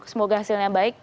semoga hasilnya baik